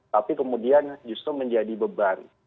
tapi kemudian justru menjadi beban